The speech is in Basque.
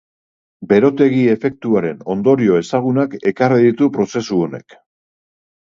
Berotegi-efektuaren ondorio ezagunak ekarri ditu prozesu honek.